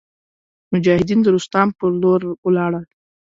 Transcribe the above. مجاهدین د روستام په لور ولاړل.